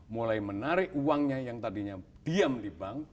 mulai menarik uangnya yang tadinya diam di bank